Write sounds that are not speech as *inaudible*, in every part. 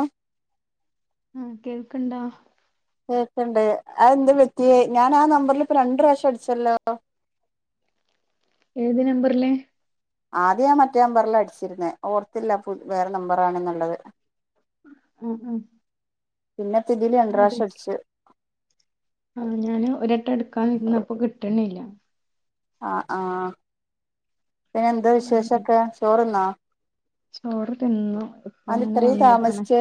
ആഹ് hello കേൾക്ക്ണ്ടോ? ക്കെണ്ടേ അതന്ത് പറ്റിയേ ഞാൻ ആ നമ്പറിൽ ഇപ്പ രണ്ട് പ്രാവശ്യം അടിച്ചല്ലോ? ഏത് നമ്പറില്? ആദ്യം ഞാൻ മറ്റേ നമ്പറിലാ അടിച്ചിരുന്നേ ഓർത്തില്ല വേറെ നമ്പറാണെന്നുള്ളത്. ആഹ് ആഹ് പിന്നെതില് രണ്ട് അതെ പ്രാവശ്യം അടിച്ച് ആഹ് ഞാൻ ഒരെട്ടം എടുക്കാ നിന്നപ്പോ കിട്ടണില്ല. ആഹ് ആഹ് പിന്നെന്താ ഉം വിശേഷൊക്കെ ചോറിന്നാ? ചോറ് തിന്നു ഇപ്പങ്ങനെ ഇത്രയും വന്നതാണെ താമസിച്ചേ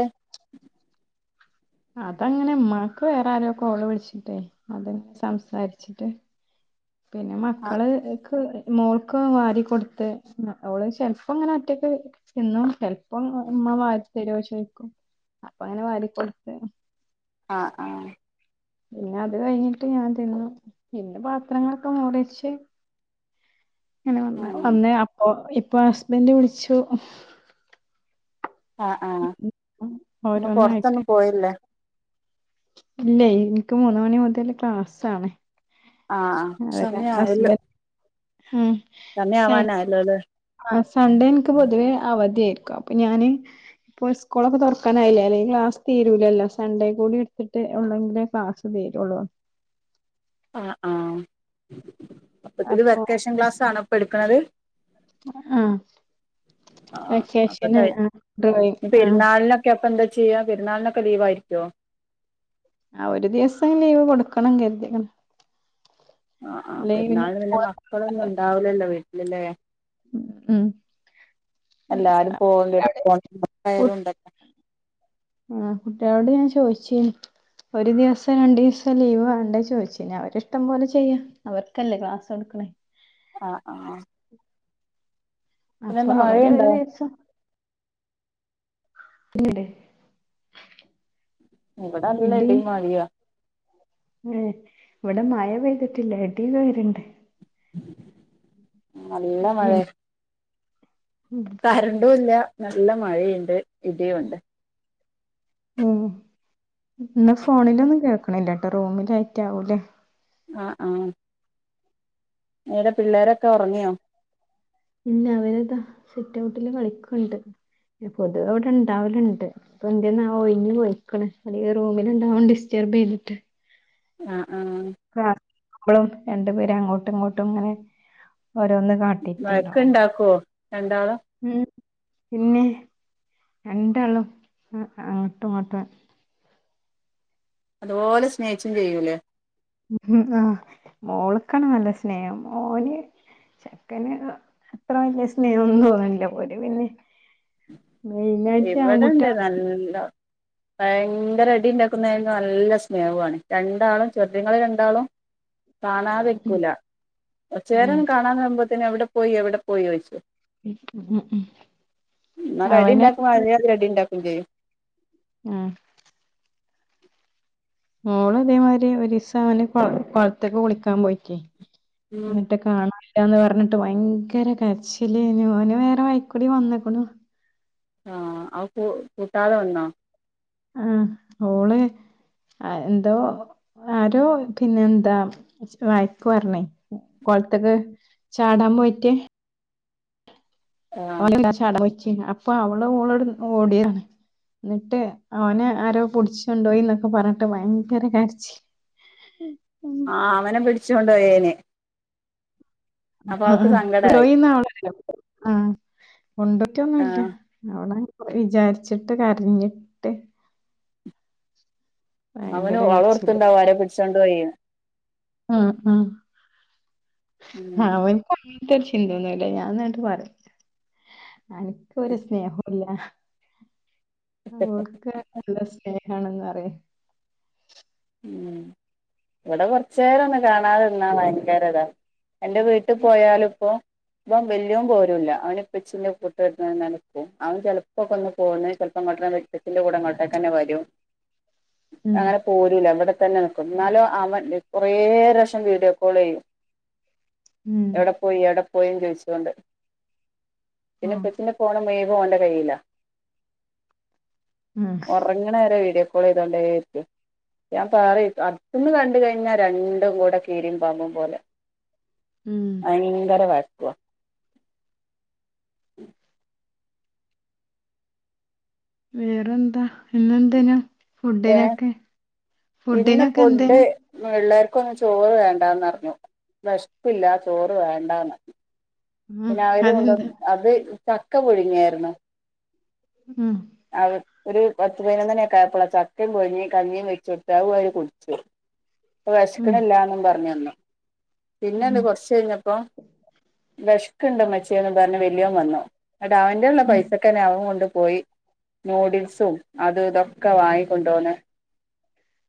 അതങ്ങനെ ഉമ്മാക്ക് വേറെ ആരോ കോള് വിളിച്ചിട്ടേ അതെ സംസാരിച്ചിട്ട് പിന്നെ ആഹ് മക്കള്ക്ക്‌ മോൾക്ക് വാരി കൊടുത്ത് അവള് ഷെൽഫ്ങ്ങനെ ഒറ്റക്ക് ന്നും ചെലപ്പോം ഉമ്മ വാതി തരുവോ ചോദിക്കും അപ്പങ്ങനെ വാരിക്കൊടുത്ത് ആഹ് ആഹ് പിന്നെ അത് കഴിഞ്ഞിട്ട് ഞാൻ തിന്നു പിന്നെ പാത്രങ്ങളൊക്കെ മുറിച്ച് അങ്ങനെ വന്ന ഉം വന്ന് അപ്പൊ ഇപ്പൊ ഹസ്ബൻഡ് വിളിച്ചു. ആഹ് ആഹ് ഉം. ഇന്ന് ഓരോന്നായിട്ട് പുറത്തൊന്നും പോയില്ലേ? ഇല്ല എനിക്ക് മൂന്ന് മണി മുതല് ക്ലാസാണെ. ആഹ് ആഹ് അതല്ല അസ്ബൻ ഹും സമയവാന ആയല്ലോല്ലേ? ആഹ് സൺഡേ എനിക്ക് പൊതുവേ അവധിയായിരിക്കും അപ്പൊ ഞാന് ഇപ്പോൾ സ്കൂളൊക്കെ തുറക്കാനായില്ലേ അല്ലെ ക്ലാസ് തീരൂലല്ലോ സണ്ടേ കൂടി എടുത്തിട്ട് ഉണ്ടെങ്കില് ക്ലാസ് വേരുള്ളോ ആഹ് ആഹ് അപ്പത് അപ്പൊ വെക്കേഷൻ ക്ലാസ്സ് ആണ ഇപ്പ എടുക്കണത് ആഹ് ആഹ് അപ്പൊ വെക്കേഷന് ആ ഡ്രോയിങ് ആ ക്യ. അപ്പ എന്താ ചെയ്യാ പെര്ന്നാളിനൊക്ക ലീവായിരിക്കോ ആ ഒരു ദിവസം ലീവ് കൊടുക്കണം കര്തിക്ക്ണ് ആ ആ പെര്ന്നാൾന് പിന്നെ സ്കൂള് മക്കളൊന്നും ഇണ്ടാവുലല്ലോ വീട്ടില് ഉം എല്ലാരും പോകൻ *unintelligible* അവിടെ കു യാലും ഇണ്ടല്ലോ ആ കുട്യോളോട് ഞാൻ ചോയ്ച്ച്നി ഒരു ദിവസം രണ്ടീസം ലീവ് വേണ്ടേ ചോയ്‌ചീനി അവരെ ഇഷ്ടം പോലെ ചെയ്യാ അവര്ക്കല്ലേ ക്ലാസ്സ് ഇട്ക്ക്ണേ ആ ആ അപ്പ പിന്നെന്താ അവരെ മഴയുണ്ടോ ഒരു ദിവസം പിന്നടെ ഇവടെ നല്ല ഇടിം മഴുയാ ഏ ഇവടെ മഴ പെയ്തിട്ടില്ല ഇടി വേര്ണ്ട് നല്ല പി മഴയ ഉം കരണ്ടൂല്ല നല്ല മഴയിണ്ട് ഇടി ഉണ്ട് ഉം ഇന്ന ഫോണിലൊന്നും കേൾക്ക്ണില്ലട്ടോ റൂമിലായിറ്റാവു ലെ ആ ആ ഏടെ പിള്ളേരൊക്ക ഒർങ്ങിയോ ഇല്ല അവര് ഇതാ സിറ്റ് ഔട്ടില് കളിക്ക്ണ്ട് പൊതുവെ അവ്ടണ്ടാവല്ണ്ട് ഇപ്പ എന്തേന്നാവോ ഒഴിഞ് പോയിക്ക്ണ് അല്ലെങ്കി റൂമില്ണ്ടാവും ഡിസ്റ്റർബ് ചെയ്ത്ട്ട് ആ ആ ബളും രണ്ട് പേര് അങ്ങോട്ടും ഇങ്ങോട്ടും ഇങ്ങനെ ഓരോന്ന് വഴക്ക് കാട്ടിട്ടുണ്ടാവും ഇണ്ടാക്കോ രണ്ടാളും ഉം പിന്നെ രണ്ടാളും അങ്ങട്ടും ഇങ്ങട്ട് അതുപോലെ സ്നേഹിച്ചും ചെയ്യൂലേ ആ മോള്ക്കാണ് നല്ല സ്നേഹം മോന് ചെക്കന് അത്ര വല്ല്യ സ്നേഹന്നും തോന്ന്ണില്ല ഓര് പിന്നിം മൈനയിട്ട് ആൺകുട്ടിയള് നല്ലോ ഭയങ്കര അടി ഇണ്ടാക്കുന്നര്ന്നു നല്ല സ്നേഹു ആണ് രണ്ടാളും ചെർദിങ്ങള് രണ്ടാളും *inaudible* ഉം കാണാതെക്കൂല ഉം കൊർച്ചേരം കാണാതാവുമ്പോത്തിന് എവടെ പോയി എവടെ പോയി ചോയ്‌ച്ചും ഉം ഉം ന്നാല് അടി അവന് ഇണ്ടാക്കുമ്പ അതെ മാതിരി അടി ഇണ്ടാക്കും ചെയ്യും ആ മോള് ഇതേ മാതിരി ഒരീസം അവന് കോൾ കോൾത്ത്ക്ക് കുളിക്കാം പോയിറ്റേ ചെയ്യും ന്നിട്ടക് കാണാല്ലാന്ന് പർഞ്ട്ട് ഭയങ്കര കര്ച്ചിലെനു ഓന് വേറെ വൈക്കൂടി വന്ന്ക്ണു ആ ഔ കു കൂട്ടാത വന്നോ ആ ഓള് എന്തോ ആരോ പിന്നെ എന്താ വയക്ക് പർഞ്ഞ് കൊൾത്ത്ക്ക് ചാടാം പോയിറ്റ് ആ ഓലല്ലാം ചാടാം പോയിച്ച് അപ്പൊ അവള് ഓളട് ഓടിയതാണ് ന്നട്ട് ഓനെ ആരോ പുട്ച്ചൊണ്ടോയി ന്നൊക്ക പർഞ്ഞിട്ട് ഭയങ്കര കര്ച്ചില് *inaudible* ആ അവനെ പിടിച്ചോണ്ട് പോയേന്. അപ്പൊ അ ആ അവക്ക് സങ്കടായി കൊണ്ടോയിന്നാ ഓള് പറി ണ ആ ആ കൊണ്ടോയിറ്റൊന്നുല്ല. അവള് വിചാരിച്ചിട്ട് കരഞ്ഞ് അവന് ഭയങ്കര കരച്ചിലായിരുന്നു. അവളോർത്തുണ്ടാവും ആരെ പിടിച്ചുകോണ്ട് പോയിന്ന്. ആഹ് ആഹ്, ഉം അവൻ *unintelligible* ചിന്തയിന്നലെ ഞാൻ ഇന്ന്ട്ട് പറിയ. അനക്ക് ഒരു സ്നേഹവുംല്ല അവൾക്ക് നല്ല സ്നേഹാണെന്ന് പറയും. ഉം. ഇവിടെ കൊറച്ച് നേരം ഒന്നു കാണാതിരുന്നാള് ഭയങ്കരൊതാ. എന്റെ വീട്ടിൽ പോയാലും ഇപ്പോ. ഇപ്പം വല്യാൻ പോരൂല്ല. അവനപ്പച്ചിന്റെ കൂട്ട് ഇങ്ങനെ നിക്കും. അവൻ ചിലപ്പോക്കൊന്ന് പോന്ന് ചെലപ്പോ ഇങ്ങേട്ടന്നെ ച്ചിന്റെ കൂടെ ഇങ്ങോട്ടേക്കന്നെ വരും. ഉം അങ്ങനെ പോ രൂല്ല. ഇവിടെത്തന്നെ നിക്കും. എന്നാലും അവൻ കെറെ പ്രാവശ്യം വീഡിയോ കോൾ ചെയ്യും. ഉം എവിടെ പോയി, എവിടെ പോയി ചോയിച്ചോണ്ട് പിന്നെ ആഹ് ഇപ്പച്ചിന്റെ ഫോണും ബാഗും അവൻ്റെ കൈയ്യിലാ. ഉം എറങ്ങണ വരെ വീഡിയോ കോൾ ചെയ്തോണ്ടിരിക്കും. ഞാൻ പറയും. അടുത്ത്ന്ന് കണ്ട് കഴിഞ്ഞാ രണ്ടും കൂടെ കീരും പാമ്പും പോലെ. ഉം ഭയങ്കര വാശിയ വേറെ എന്താ, ഇന്ന് എന്തേനു ഏഹ് ഫുഡിനൊക്കെ, ഇന്ന് ഫുഡിനൊക്കെ ഫുഡ് എന്തേനു? പിള്ളേർക്കൊന്നും ചോറ് വേണ്ടാന്ന് പറഞ്ഞു. വെശപ്പില്ല ചോറ് വേണ്ടന്ന്. ഉം പിന്നെ അവര് അതെന്താ? അത് ചക്ക പുഴുങ്ങിയായിരുന്നു. ഉം ആ ഒരു പത്ത് പതിനൊന്നു മണിയൊക്കെ ആയപ്പോളാ ചക്കയും പുഴുങ്ങി കഞ്ഞിയും വെച്ച് കൊടുത്ത്. അത് അവര് കുടിച്ചു. ഇപ്പം ഉം വിശക്കണില്ലന്നും പറഞ്ഞ് വന്നു. ഉം പിന്നെണ്ട് കൊറച്ച് കഴിഞ്ഞപ്പോ വെശക്കുണ്ടുമ്മച്ചിയെന്ന് പറഞ്ഞ് വലിയവൻ വന്നു. എന്നിട്ട് അവന്റെലുള്ള ഉം പൈസക്കെന്നെ അവൻ കൊണ്ട് പോയി. നൂഡിൽസും അത് ഇതൊക്കെ വാങ്ങിക്കൊണ്ടു വന്നു.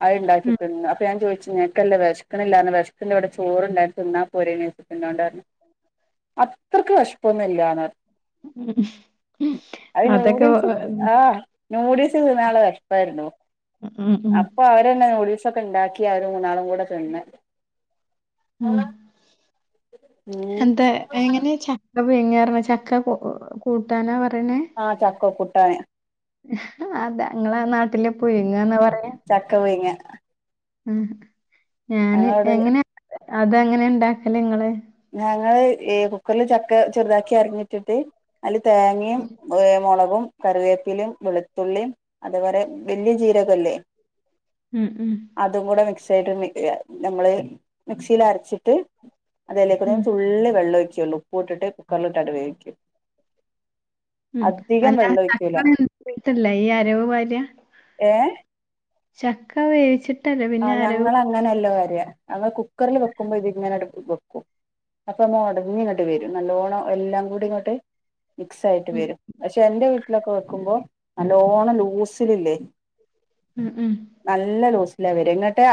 അത്ണ്ടാക്കി ഉം തിന്ന്. അപ്പൊ ഞാൻ ചോദിച്ചു നിനക്കല്ലേ വിശക്ക് ണില്ലാന്ന്. വിശക്കുന്നുണ്ടേൽ ഇവിടെ ചോറുണ്ടായി അത് തിന്നാ പോരെന്ന് ചോദിച്ചപ്പോൾ എന്നോട് പറഞ്ഞു. അത്രയ്ക്ക് വെശ പ്പൊന്നില്ലാന്ന്. ഉംഹ് അതൊക്കെ നൂഡിൽസ് വെറു ആഹ് നൂഡിൽസ് തിന്നാനുള്ള വിശപ്പായിരുന്നു. ഉം ഉം അപ്പൊ അവരന്നെ നൂഡിൽസ് ഒക്കെ ഉണ്ടാക്കി അവരു മൂന്നാളും കൂടെ തിന്ന്. ഉം. ഉം എന്താ എങ്ങനെ ച ക്ക പുഴുങ്ങ പറഞ്ഞത്, ചക്ക കൂട്ടാനാ പറയണേ. ആഹ് ചക്ക കൂട്ടാൻ. അതാ നിങ്ങളെ നാട്ടില് പുഴുങ്ങാന്നാ പറയാ. ചക്ക പുഴുങ്ങ. ആ ഞാന്, ഞങ്ങളിവിടെ എങ്ങനെയാ അത് എങ്ങനെ ഉണ്ടാക്കല് നിങ്ങള്? ഞങ്ങള് ഈ കുക്കറില് ചക്ക ചെറുതാക്കി അരഞ്ഞിട്ടിട്ട് അതില് തേങ്ങയും ഉം മുളകും, കറിവേപ്പിലും, വെളുത്തുള്ളിയും അതേപോലെ വലിയ ജീരകല്ലേ *inaudible* ഉം ഉം അതും കൂടെ മിക്സ് ആയിട്ട്, നമ്മൾ മിക്സിയിൽ അരച്ചിട്ട് അതയിലേക്ക് ഞാൻ ഉം തുളളി വെള്ളം ഒഴിക്കേയുള്ളൂ ഉപ്പു ഇട്ടിട്ട് കുക്കറിലിട്ടാട്ട് വേവിക്കു ഉം അല്ല ചക്ക വെന്തിട്ടല്ലേ ഈ അരവ് പാരുക. ഏ ചക്ക വേവിച്ച് ആഹ് ഞങ്ങളങ്ങനല്ലാ പാരുക. ഞങ്ങള് കുക്കറിൽ വെക്കുമ്പോ ഇതിങ്ങനെ അടുപ്പിൽ വെക്കും. ക്കു അപ്പൊ ഉടഞ്ഞു ങ്ങട്ട് വരും. നല്ലോണം എല്ലാം കൂടി ഇങ്ങോട്ട്. മിക്സ് ആയിട്ട് ഉം വരും. പക്ഷെ എൻ്റെ വീട്ടിലൊക്കെ വെക്കുമ്പോ നല്ലോണം ലൂസിലില്ലേ ഉം ഉം നല്ല ലൂസ് ലാ വെര ന്നിട്ട്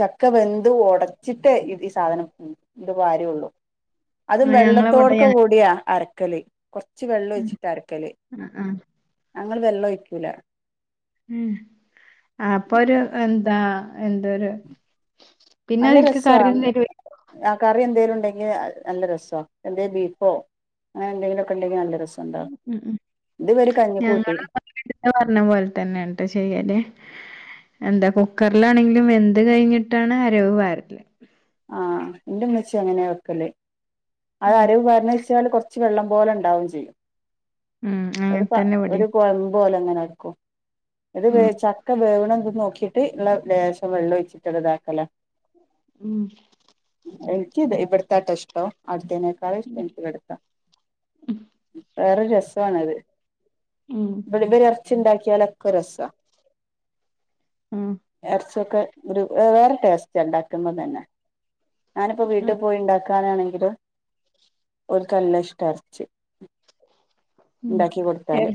ചക്ക വെന്ത് ഒടച്ചിട്ട് ഇത് ഈ സാധനം ഇത് പാര്യേ ഉള്ളു. അതും ആഹ് ഞങ്ങളവടെ വെള്ളത്തോടൊക്കെ കൂടിയാ അരക്കല്. ച്ച് വെള്ളം ഉം ഒഴിച്ചിട്ടാ അരക്കല്. ആഹ് ആഹ് ഞങ്ങള് വെള്ളൊഴിക്കൂല. ഉം അപ്പൊ ഒരു എന്താ എന്തരു നല്ല രസോ ആ തരുവേ ആഹ് കറി എന്തെലും ഉണ്ടെങ്കിൽ നല്ല രസോ എന്തേം ബീഫോ അങ്ങനെ എന്തെങ്കിലുമൊക്കെ ഉണ്ടെങ്കിൽ നല്ല രസാ. ഉ ഉം ഉ ഞങ്ങള *unintelligible* പറഞ്ഞ പോലെ തന്നെ ആണ്‌ട്ടോ ചെയ്യല് എന്താ കുക്കറിലാണെങ്കിലും വെന്ത് കഴിഞ്ഞിട്ടാണ് അരവ് പാരല് ആഹ് ന്റെ മ്മച്ചി അങ്ങനെയാ വെക്കല്. അത് ഉം അരവ് പാര് ണെച്ചാല് കൊർ ച്ച് വെള്ളം പോലെ ഉണ്ടാവും ചെയ്യും. ഉം ഒരു പ അങ്ങൻത്തന്നെ ഒരു ഇവടിം കൊഴമ്പ് പോലെ ങ്ങനെ നിക്കും. ഇത് വേ ഉം ചക്ക വേവണം എന്ത് നോക്കിട്ട് ഇള്ള ലേശം വെള്ളൊ യ്ച്ചിട്ടെളതാക്കലാ. ഉം എൻക്കിത് ഇവിടുത്താട്ടൊ ഇഷ്ടം. ആട്ത്തെനെക്കാളും ഇഷ്ടം ൻക്കി വെട്ത്ത. വേറൊരു രസാണത് ഉം *unintelligible* ച്ച്ണ്ടാക്കിയാലൊക്ക രസാ ആഹ് എർച്ചിയൊക്കെ ഒരു വെവേറെ ടേസ്റ്റ് ണ്ടാക്ക്മ്പ തന്നെ. ഞാനിപ്പോ വീട്ടി ആഹ് പോയി ണ്ടാക്കാനാണെങ്കില് ഓൽക്ക് നല്ല ഇഷ്ടാ എർച്ചി ഉം എർ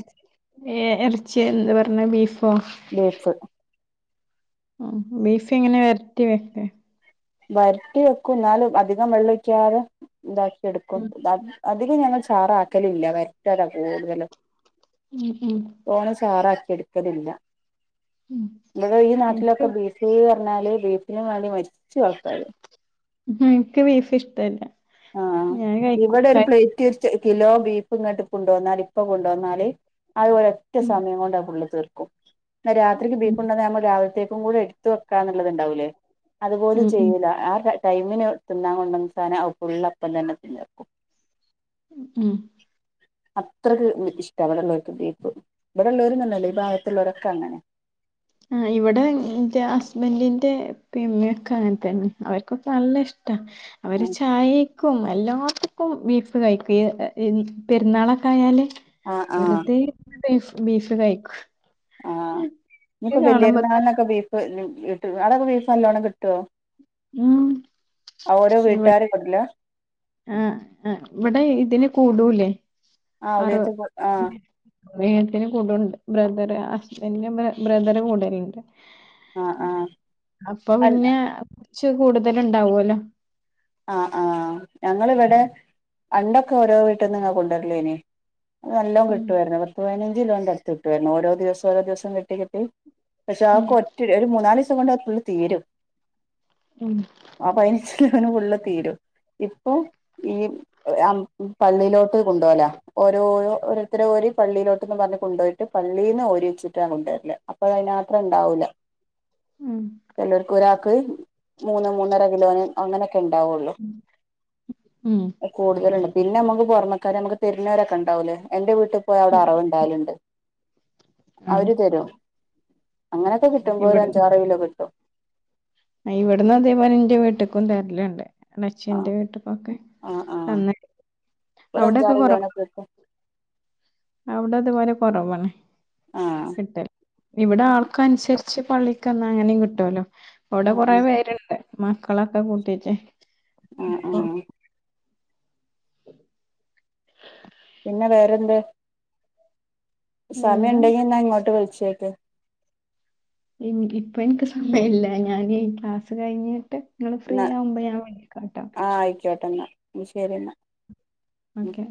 എ എർച്ചി എന്ന് പറഞ്ഞ ബീഫോ? ബീഫ് ഉ ബീഫ് എങ്ങനെ വെരറ്റി വെക്കെ വരട്ടി വെക്കും ന്നാലും അധികം വെള്ളം ഒഴിക്കാതെ ഇതാക്കി എടുക്കും ഉം *inaudible* അതില് ഞങ്ങൾ ചാറാക്കലില്ല വരട്ടലാ കൂടുതലും. ഉം ഉം തോന ചാറാക്കി എടുക്കലില്ല. ഉം ങ്ങളൊ ഈ ഇൻക്ക് നാട്ടിലൊക്കെ ബീഫ് ഫ് പറഞ്ഞാല് ബീഫിനും വേണ്ടി മരിച്ചു ആൾക്കാര്. എനിക്ക് ബീഫ് ഇഷ്ടല്ല ആഹ് ഞാൻ കഴിക്കും ഇവിടെ ഒരു കഴി പ്ലേറ്റ് ഒരു കിലോ ബീഫ് ഇങ്ങോട്ട് കൊണ്ട വന്നാല് ഇപ്പൊ കൊണ്ടുവന്നാല് ആത് ഒരൊറ്റ ഉം സമയം കൊണ്ട് അഅ് പുള്ളി തീർക്കും. ന്ന രാത്രിക്ക് ബീഫുണ്ടന്നാ നമ്മൾ രാവിലത്തേക്കും കൂടെ എട് ത്ത് വെക്കാ എന്നുള്ളത് ഉണ്ടാവൂലേ അതു പോലും ഉം ഉം ചെയ്യൂല. ആ ടൈമിന് തിന്നാൻ കൊണ്ടന്ന സാധനം അത് ഫുള്ളപ്പം തന്നെ തിന്നീർക്കും. ഉം അത്രയ്ക്ക് ഇഷ്ടാ വിടെള്ളോർക്ക് ബീഫ്. ഇവിടെള്ളൂരന്നന്നല്ല ഈ ഭാഗത്തുള്ളവരൊ ക്കങ്ങനാ ആഹ് ഇവിടെ എന്റെ ഹസ്ബൻഡിന്റെ പ്പിം മ്മി ഒക്ക ങ്ങൻത്തന്നെ അവർക്കൊക്കെ നല്ലഷ്ടാ. അവര് ചായെ ക്കും എല്ലാത്തക്കും ബീഫ് കഴിക്കും പെരുന്നാളൊക്കെ ആയാല് ആഹ് ആഹ് വെറുതെ ബീഫ് ബീഫ് കഴിക്കും ആഹ് ഇക്ക് ഇനിപ്പോ കാണുമ്പോ തന്നെ വലിയരുന്നാളിനൊക്കെ ബീഫ് കിട്ടുവോ അവിടൊക്കെ ബീഫ് നല്ലോണ്ണം കിട്ടുവോ ഉം ഓരോ വീട്ടുകാര് തരില്ല ആഹ് ഇവിടെ ഇതിന് കൂടൂലേ ആ അറ ഉദയത്തി ആ ഏട്ടനും കൂടെണ്ട് ബ്രദറ് ഹസ്ബെന്റിന്റെ ബ്രദറ് കൂടെയുണ്ട് ആ ആ അപ്പൊ അല്ല പിന്നെ കൊറച്ച് കൂടുതല് ഉണ്ടാവൂല്ലോ ആഹ് ആഹ് ഞങ്ങളിവിടെ പണ്ടൊക്കെ ഓരോ വീട്ടിൽന്ന് ഇങ്ങനെ കൊണ്ടുവരുല്ലോനി അത് നല്ലോ ഉം കിട്ടുമായിരുന്നു പത്തു പതിനഞ്ച് ഇതിന്റെ അടുത്ത് കിട്ടുവാരുന്നു ഓരോ ദിവസം ഓരോ ദിവസം കിട്ടി കിട്ടി പഷേ, ഉം ആകൊറ്റൊരു. മൂന്നാലിസം കൊണ്ട്. അത് ഫുള്ള് തീരും. ഉം ആഹ് പനിച്ചിലവന് ഫുള്ള് തീരും. ഇപ്പൊ ഈ പള്ളീലോട്ട് കൊണ്ടോപോവലാ ഓരോരോ ഓരോത്തര്ഓരി പള്ളിയിലോട്ടെന്ന് പറഞ്ഞ് കൊണ്ടോയിട്ട് പള്ളീന്ന് ഓരിവെച്ചിട്ടാ കൊണ്ടുവരല് അപ്പൊഴയിന് മാത്രം ഉണ്ടാവൂല. ഉം ചെലോർക്ക് ഒരാക്ക് മൂന്ന് മൂന്നര കിലോന്. അങ്ങനെയൊക്കെയിണ്ടാവൊള്ളു. ഉം കൂടുതല്ണ്ട് പിന്നെനമുക്ക്. പൊറമക്കാര് തെരുന്നോരൊക്കെയുണ്ടാവുലേ. എന്റെ വീ ട്ടി പോയാ അവടെ ഉം അറവുണ്ടാവലുണ്ട്. ആഹ് അവര് തെരും അങ്ങനെയൊക്കെ കി ട്ടുമ്പോ ഒരഅഞ്ചാറ് കിലോ കിട്ടും. ഇവിടുന്നും അതേപോലെ എന്റെ വീട്ട്ക്കും തെര്ലുണ്ട്. ആ ഉമ്മച്ചീന്റെ വീട്ടിക്കൊക്കെ ആ ആ തിന്നി ഒരു അവിടൊക്കെ അഞ്ചാറ് കൊറ കിലോനൊക്കെ കിട്ടും അവിടിത് പോലെ കൊറവാണ് ആഹ് അതെ ഇവിടെ ആൾക്കൻസരിച്ച് പള്ളിക്കേന്ന് അങ്ങനിം കിട്ടൂല്ലോ. ഇവടെ ആ കൊറെ പേരുണ്ട്. മക്കളൊക്കെ കൂട്ടീട്ട്. ഉം ഉം പിന്നെ വേറെന്ത് സമയം വേറെ ഇണ്ടെങ്കി എന്നാ ഇങ്ങോട്ട് വിളിച്ചേക്ക് ഇപ്പൊ എനിക്ക് സമയില്ല ഞാനി ക്ലാസ് കഴിഞ്ഞിട്ട്. ഇങ്ങള് ഫ്രീ ആവുമ്പോ ഞാൻ വിളിക്കാട്ടോ ക്കാട്ടെന്നാ എന്നാ ശെരിയെന്നാ ഓക്കെ.